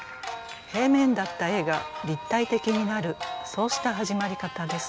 平面だった絵が立体的になるそうした始まり方です。